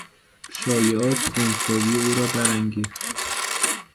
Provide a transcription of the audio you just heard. شایعات کنجکاوی او را برانگیخت.